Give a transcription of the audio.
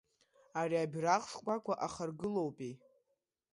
Ари абираҟ шкәакәа ахаргылоупеи.